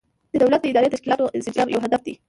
د دولت د اداري تشکیلاتو انسجام یو هدف دی.